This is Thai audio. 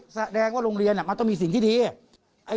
แสดงว่าโรงเรียนมันต้องมีสิ่งที่ดี